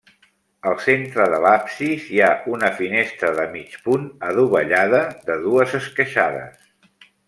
Al centre de l'absis hi ha una finestra de mig punt, adovellada, de dues esqueixades.